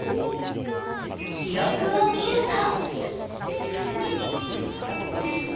記録を見ると。